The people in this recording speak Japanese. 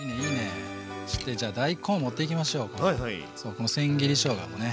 このせん切りしょうがもね